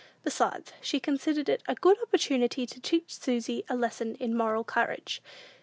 Besides, she considered it a good opportunity to teach Susy a lesson in moral courage.